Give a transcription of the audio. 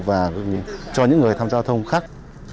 và cho những người tham gia thông khác